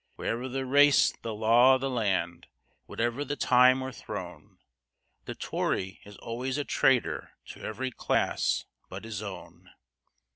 Wherever the race, the law, the land, whatever the time or throne, The Tory is always a traitor to every class but his own.